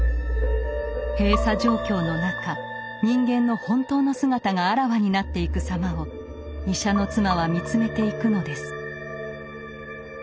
閉鎖状況の中人間の本当の姿があらわになっていくさまを医者の妻は見つめていくのです。